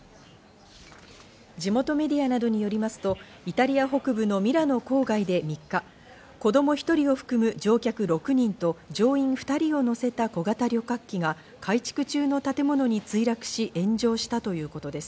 地元メディアなどによりますとイタリア北部のミラノ郊外で３日、子供１人を含む乗客６人と乗員２人を乗せた小型旅客機が改築中の建物に墜落し炎上したということです。